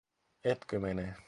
Etkö mene?